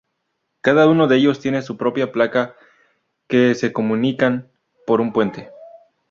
Cada uno de ellos tiene su propia placa que se comunican por un puente.